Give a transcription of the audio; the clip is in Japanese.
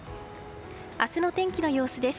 明日の天気の様子です。